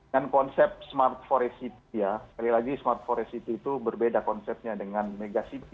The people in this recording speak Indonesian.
dan konsep smart forest city ya sekali lagi smart forest city itu berbeda konsepnya dengan mega city